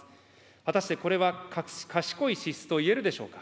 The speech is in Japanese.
果たしてこれは賢い支出といえるでしょうか。